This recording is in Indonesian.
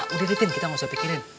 udah tini kita nggak usah pikirin